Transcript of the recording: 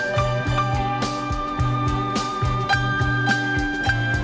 hẹn gặp lại